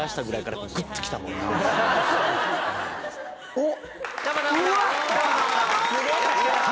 おっ！